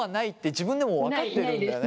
自分でも分かってるんだよね。